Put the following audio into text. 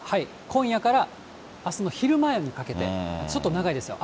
今夜からあすの昼前にかけて、ちょっと長いですよ。